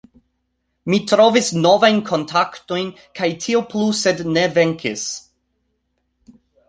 Mi trovis novajn kontaktojn kaj tiel plu sed ne venkis